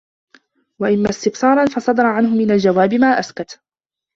وَإِمَّا اسْتِبْصَارًا فَصَدَرَ عَنْهُ مِنْ الْجَوَابِ مَا أَسْكَتَ